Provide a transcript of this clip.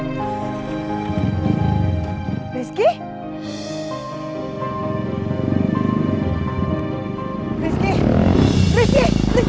sampai jumpa di video selanjutnya